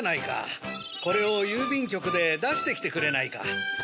これを郵便局で出してきてくれないか。